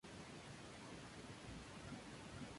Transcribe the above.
Jugaba de defensa y su último equipo fue La Equidad de Colombia.